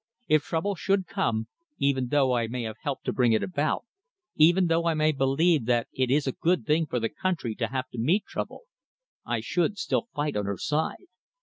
If trouble should come, even though I may have helped to bring it about, even though I may believe that it is a good thing for the country to have to meet trouble, I should still fight on her side."